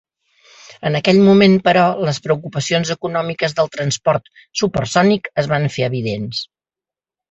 En aquell moment, però, les preocupacions econòmiques del transport supersònic es van fer evidents.